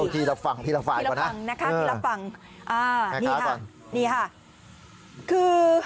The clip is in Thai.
ทีละฝั่งทีละฝั่งก่อนนะครับแม่ค้าต่อนี่ค่ะคือ